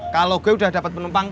kalo gue udah dapet penumpang